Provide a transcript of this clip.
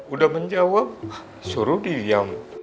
udah menjawab suruh diem